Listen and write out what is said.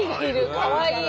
かわいい。